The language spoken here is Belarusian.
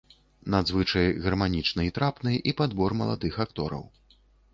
Надзвычай гарманічны й трапны і падбор маладых актораў.